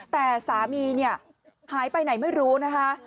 แต่สามีเนี่ยหายไปไหนไม่รู้นะคะ